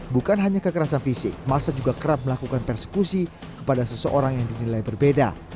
bukan hanya kekerasan fisik masa juga kerap melakukan persekusi kepada seseorang yang dinilai berbeda